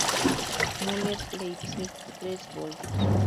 Müller, Leipzig, tres vols.